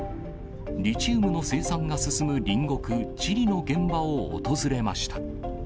リチウム生産が進む隣国、チリの現場を訪れました。